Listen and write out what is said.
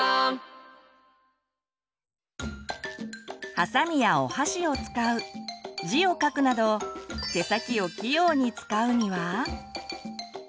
はさみやお箸を使う字を書くなど手先を器用に使うには？